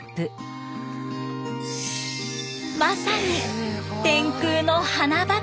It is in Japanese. まさに天空の花畑！